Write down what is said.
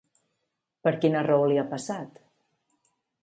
Per quina raó li ha passat?